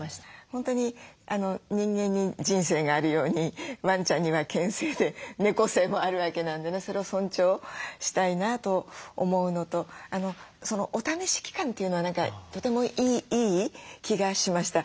本当に人間に「人生」があるようにワンちゃんには「犬生」で「猫生」もあるわけなんでそれを尊重したいなと思うのとお試し期間というのは何かとてもいい気がしました。